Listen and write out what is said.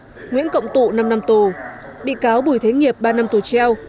bị cáo nguyễn cộng tụ năm năm tù bị cáo bùi thế nghiệp ba năm tù treo